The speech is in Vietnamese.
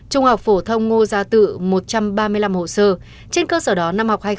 trung học phổ thông ngô gia tự một trăm ba mươi năm hồ sơ trên cơ sở đó năm học hai nghìn hai mươi hai nghìn hai mươi